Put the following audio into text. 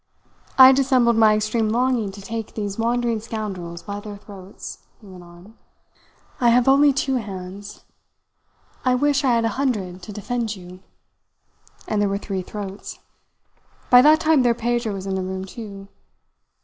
"I dissembled my extreme longing to take these wandering scoundrels by their throats," he went on. "I have only two hands I wish I had a hundred to defend you and there were three throats. By that time their Pedro was in the room too.